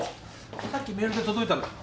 さっきメールで届いたんだ。